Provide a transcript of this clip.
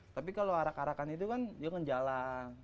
tapi kalau arak arakan itu kan dia nge jalan